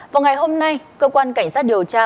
vào ngày hôm nay cơ quan cảnh sát điều tra